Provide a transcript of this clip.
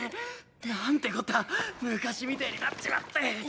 なんてこった昔みてえになっちまって。